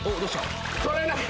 取れない。